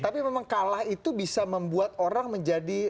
tapi memang kalah itu bisa membuat orang menjadi